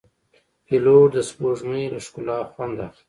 پیلوټ د سپوږمۍ له ښکلا خوند اخلي.